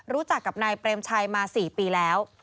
รู้จักกับนายเปรมชัยมา๔ปีแล้ว